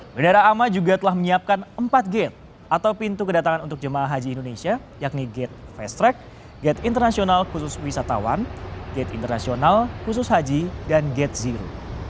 bandara ama juga telah menyiapkan empat gate atau pintu kedatangan untuk jemaah haji indonesia yakni gate fast track gate internasional khusus wisatawan gate internasional khusus haji dan gate zero